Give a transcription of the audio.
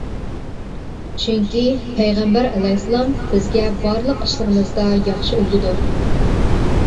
چۈنكى پەيغەمبەر ئەلەيھىسسالام بىزگە بارلىق ئىشلىرىمىزدا ياخشى ئۈلگىدۇر.